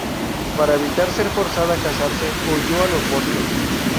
Para evitar ser forzada a casarse, huyó a los bosques.